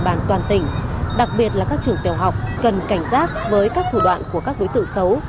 địa bàn toàn tỉnh đặc biệt là các trường tiểu học cần cảnh giác với các thủ đoạn của các đối tượng xấu